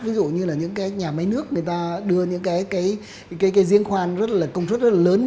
ví dụ như nhà máy nước người ta đưa những riêng khoan công suất rất lớn